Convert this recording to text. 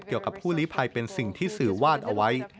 เกี่ยวกับผู้หลีไพรเป็นสิ่งที่สื่อวาดเอาไว้